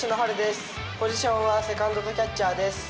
ポジションはセカンドとキャッチャーです。